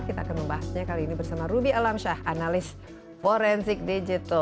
kita akan membahasnya kali ini bersama ruby alamsyah analis forensik digital